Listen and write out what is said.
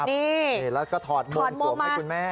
นี่แล้วก็ถอดมนต์สวมให้คุณแม่